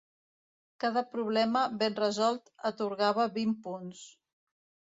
Cada problema ben resolt atorgava vint punts.